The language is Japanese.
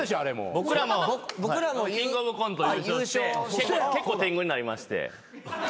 僕らもキングオブコント優勝して結構天狗になりまして。